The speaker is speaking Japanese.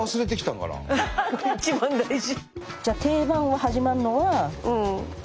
一番大事。